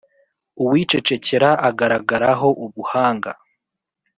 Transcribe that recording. Uwicecekera agaragaraho ubuhanga,